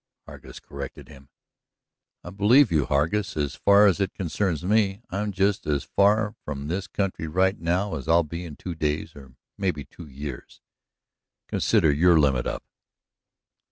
Hargus corrected him. "I believe you, Hargus. As far as it concerns me, I'm just as far from this country right now as I'll be in two days, or maybe two years. Consider your limit up."